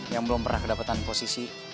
yang belum pernah kedapatan posisi